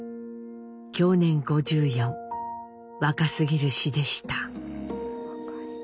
享年５４若すぎる死でした。